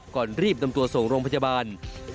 ก่อนรีบนำตัวส่งโรงพยาบาล